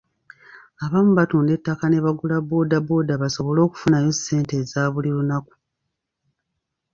Abamu batunda ettaka ne bagula bbooda booda basobole okufunayo ssente eza buli lunaku.